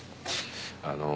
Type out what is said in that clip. あの。